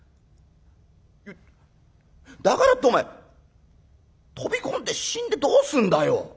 えだからってお前飛び込んで死んでどうすんだよ。